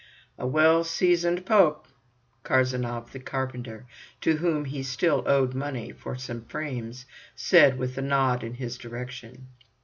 "A well seasoned pope," Karzenov the carpenter, to whom he still owed money for some frames, said with a nod in his direction.